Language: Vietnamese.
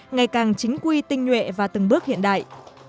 ngày càng chính quy tinh nhuệ và từng bước hiện đại